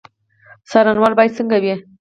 څارنوال باید څنګه وي؟